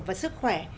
và sức khỏe